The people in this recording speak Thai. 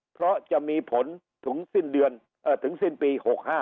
เพราะจะมีผลถึงสิ้นปี๖๕